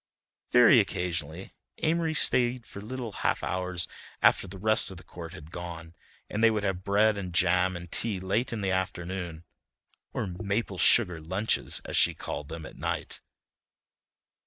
Very occasionally Amory stayed for little half hours after the rest of the court had gone, and they would have bread and jam and tea late in the afternoon or "maple sugar lunches," as she called them, at night.